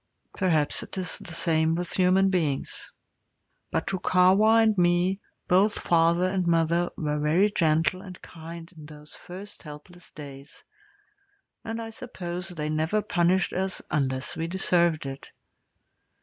Perhaps it is the same with human beings. But to Kahwa and me both father and mother were very gentle and kind in those first helpless days, and I suppose they never punished us unless we deserved it.